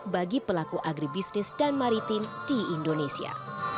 bagi pelaku agribisnis dan maritim di indonesia